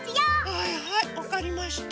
はいはいわかりました。